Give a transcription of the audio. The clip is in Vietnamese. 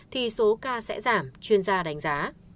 thì số ca sẽ giảm chuyên gia đánh giá